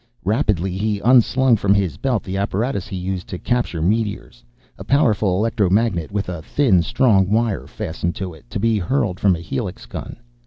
Rapidly he unslung from his belt the apparatus he used to capture meteors. A powerful electromagnet, with a thin, strong wire fastened to it, to be hurled from a helix gun.